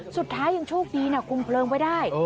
สุดท้ายยังโชคดีนะคุมเพลิงไว้ได้